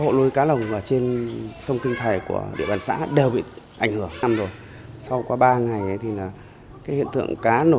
hộ nuôi cá lồng ở trên sông kinh thái của địa bàn xã đều bị tổ chức